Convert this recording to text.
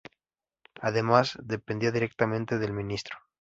Además, dependía directamente del Ministro.